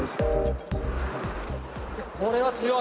これは強い。